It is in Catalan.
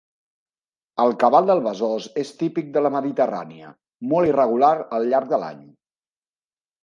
El cabal del Besòs és típic de la Mediterrània, molt irregular al llarg de l'any.